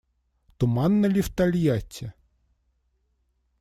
Туманно ли в Тольятти?